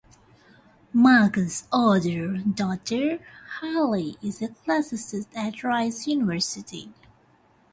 Mackie's other daughter, Hilary, is a classicist at Rice University.